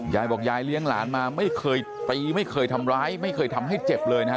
ยายบอกยายเลี้ยงหลานมาไม่เคยตีไม่เคยทำร้ายไม่เคยทำให้เจ็บเลยนะฮะ